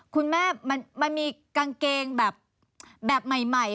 คุณแม่มันมีกางเกงแบบใหม่